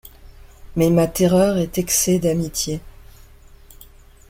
Mais ma terreur est excès d’amitié.